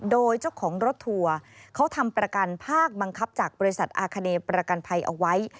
โดยเจ้าของรถทัวร์เขาทำประกันภาคบังคับจากบริษัทอาคเนประกันภัยเอาไว้